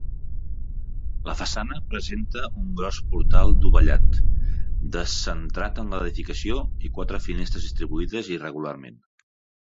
La façana presenta un gros portal dovellat, descentrat de l'edificació, i quatre finestres distribuïdes irregularment.